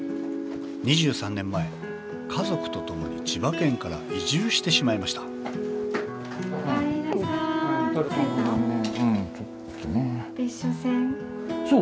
２３年前家族と共に千葉県から移住してしまいましたそう。